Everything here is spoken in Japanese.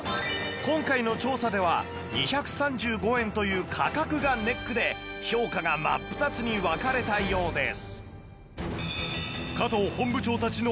今回の調査では２３５円という価格がネックで評価が真っ二つに分かれたようです